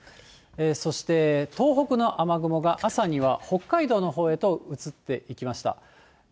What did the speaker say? そして東北の雨雲が、朝には北海道のほうへと移っていきました。